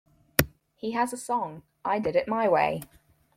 He has a song, I Did It My Way.